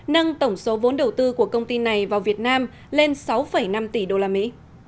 nâng tổng số vốn đầu tư của công ty này vào việt nam lên sáu năm tỷ đô la mỹ